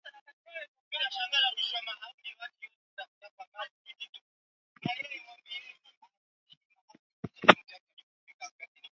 wengine kama kina Msumi aliyetawala Kibungo Juu Bambalawe matombo na aila zao akiwemo Mleke